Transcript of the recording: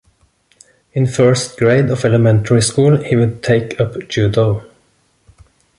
In first grade of elementary school he would take up judo.